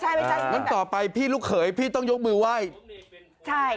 แล้วต่อไปพี่ลูกเขยพี่ต้องยกมือไหว่